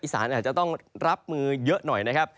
สานอาจจะต้องรับมือเยอะหน่อยนะครับ